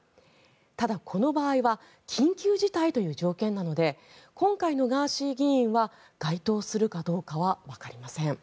ただ、この場合は緊急事態という条件なので今回のガーシー議員は該当するかどうかはわかりません。